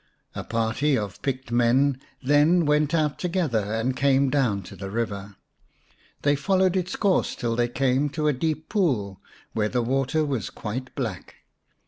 A party of picked men then went out together and came down to the river. They followed its course till they came to a deep pool, where the water was quite black.